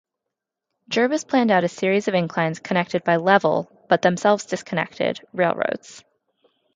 Jervis planned out a series of inclines connected by level, but themselves disconnected, railroads.